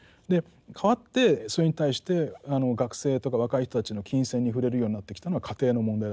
代わってそれに対して学生とか若い人たちの琴線に触れるようになってきたのは家庭の問題だと思うんですね。